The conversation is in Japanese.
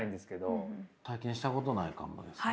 体験したことないかもですね。